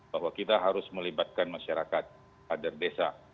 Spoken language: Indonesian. bahwa kita harus melibatkan masyarakat kader desa